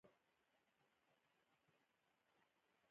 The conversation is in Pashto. باید سړک یو یا دوه کلونه کار ورکړي.